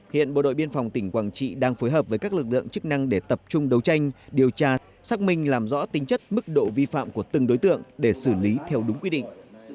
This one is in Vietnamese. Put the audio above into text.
hiện bộ đội biên phòng tỉnh quảng trị đang phối hợp với các lực lượng chức năng để tập trung đấu tranh điều tra xác minh làm rõ tính chất mức độ vi phạm của từng đối tượng để xử lý theo đúng quy định